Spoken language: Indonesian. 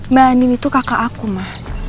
mbak anin itu kakak aku mah